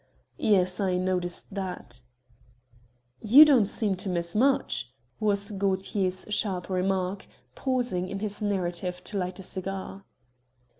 "Yes, I noticed that." "You don't seem to miss much," was Gaultier's sharp remark, pausing in his narrative to light a cigar.